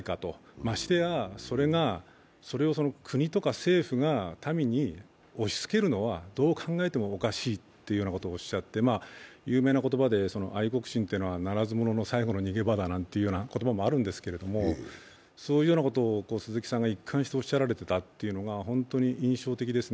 ましてや、それを国とか政府が民に押しつけるのはどう考えてもおかしいとおっしゃっていて、有名な言葉で、愛国心というのはならず者の最後の逃げ場だという言葉もあるんですけど、そういうようなことを鈴木さんが一貫しておっしゃられていたというのが本当に印象的ですね。